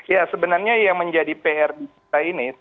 ya sebenarnya yang menjadi pr di kita ini